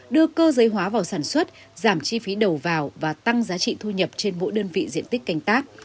đưa cơ giới hóa vào sản xuất giảm chi phí đầu vào và tăng giá trị thu nhập trên mỗi đơn vị diện tích canh tác